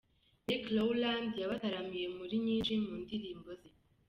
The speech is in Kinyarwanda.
Meek Rowland yabataramiye muri nyinshi mu ndirimbo ze.